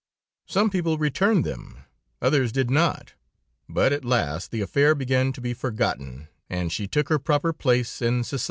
Some people returned them, others did not, but, at last, the affair began to be forgotten, and she took her proper place in society.